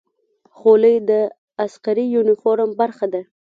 خولۍ د عسکري یونیفورم برخه ده.